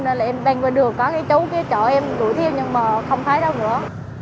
nên là em đang bên đường có cái chú kia trời em đuổi theo nhưng mà không thấy đâu nữa